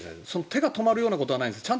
手が止まることはないんですか？